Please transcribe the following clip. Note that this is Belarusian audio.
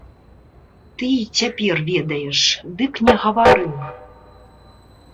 Ты і цяпер ведаеш, дык не гавары.